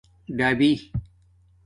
ڈَبئ